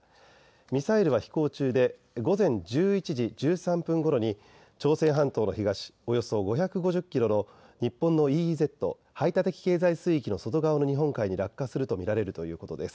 ミサイルは飛行中で午前１１時１３分ごろに朝鮮半島の東およそ５５０キロの日本のＥＥＺ・排他的経済水域の外側の日本海に落下すると見られるということです。